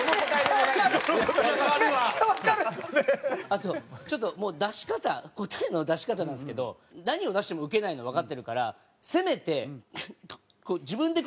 あとちょっともう出し方答えの出し方なんですけど何を出してもウケないのわかってるからせめてこう自分で。